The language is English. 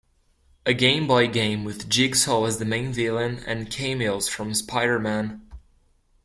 A Game Boy game with Jigsaw as the main villain and cameos from Spider-man.